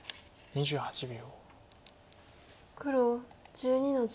２８秒。